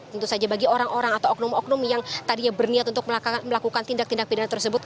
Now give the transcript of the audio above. tentu saja bagi orang orang atau oknum oknum yang tadinya berniat untuk melakukan tindak tindak pidana tersebut